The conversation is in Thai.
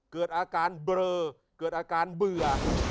เกิดอาการเบลอเกิดอาการเบื่อ